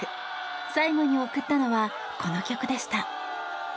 最後に贈ったのはこの曲でした。